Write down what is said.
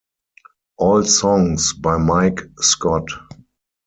All songs by Mike Scott.